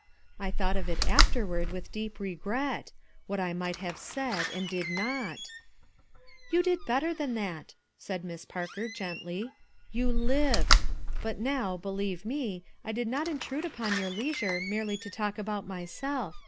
I thought of it afterward with deep regret; what I might have said, and did not/' (i You did better than that/' said Misa Parker, gently, "You lived. But now, believe me, I did not intrude upon your leisure merely to talk about myself.